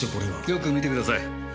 よく見てください。